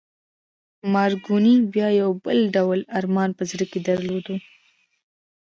مارکوني بیا یو بل ډول ارمان په زړه کې درلود